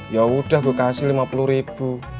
yaudah gue kasih lima puluh ribu